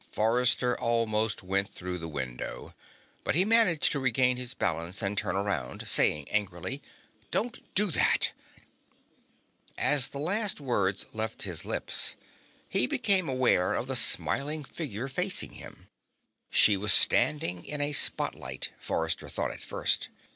Forrester almost went through the window. But he managed to regain his balance and turn around, saying angrily: "Don't do that!" As the last of the words left his lips, he became aware of the smiling figure facing him. She was standing in a spotlight, Forrester thought at first.